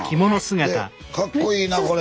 ねえ。でかっこいいなこれ。